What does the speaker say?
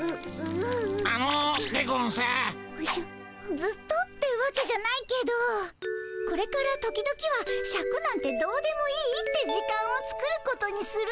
ずっとってわけじゃないけどこれから時々はシャクなんてどうでもいいって時間を作ることにするよ。